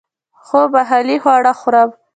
هو، محلی خواړه خورم